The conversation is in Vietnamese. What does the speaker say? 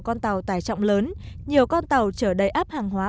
con tàu tài trọng lớn nhiều con tàu trở đầy áp hàng hóa